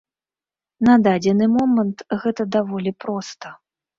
На дадзены момант гэта даволі проста.